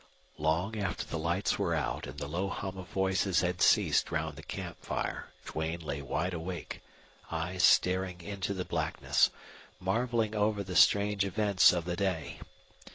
Long after the lights were out and the low hum of voices had ceased round the camp fire Duane lay wide awake, eyes staring into the blackness, marveling over the strange events of the day.